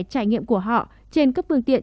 trải nghiệm của họ trên các phương tiện